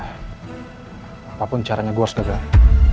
apapun caranya gue harus gagalin